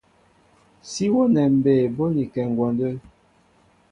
Sí wónɛ mbey bónikɛ ŋgwɔndə́.